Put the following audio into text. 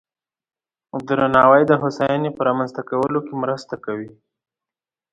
درناوی د هوساینې په رامنځته کولو کې مرسته کوي.